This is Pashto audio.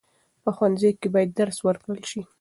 په ښوونځیو کې باید درس ورکړل شي.